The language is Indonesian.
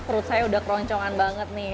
perut saya udah keroncongan banget nih